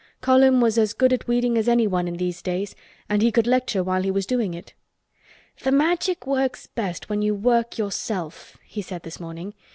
Colin was as good at weeding as anyone in these days and he could lecture while he was doing it. "The Magic works best when you work, yourself," he said this morning.